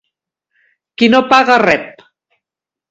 Qui no paga rep.